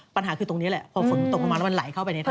ปัญหาคือตรงนี้แหละพอฝนตกลงมาแล้วมันไหลเข้าไปในท่อ